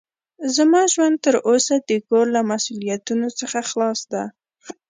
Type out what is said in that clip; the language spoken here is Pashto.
زما ژوند تر اوسه د کور له مسوؤليتونو څخه خلاص ده.